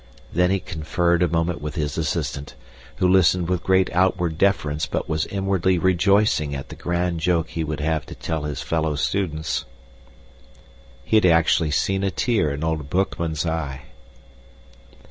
Then he conferred a moment with his assistant, who listened with great outward deference but was inwardly rejoicing at the grand joke he would have to tell his fellow students. He had actually seen a tear in "old Boekman's" eye.